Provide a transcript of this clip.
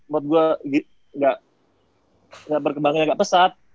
menurut gue berkembangnya ga pesat